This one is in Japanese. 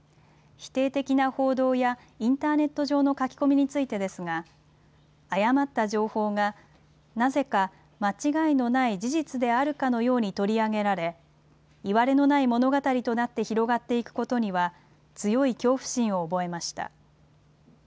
否定的な報道やインターネット上の書き込みについてですが、誤った情報がなぜか間違いのない事実であるかのように取り上げられ、いわれのない物語となって広がっていくことには、強い恐怖心を覚えました。